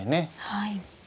はい。